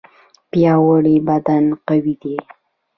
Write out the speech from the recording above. پیاوړی بدن قوي دی.